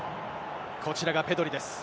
こちらがペドリです。